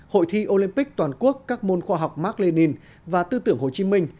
hội thi olympic toàn quốc các môn khoa học mark lenin và tư tưởng hồ chí minh